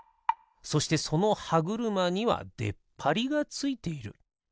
そしてそのはぐるまにはでっぱりがついている。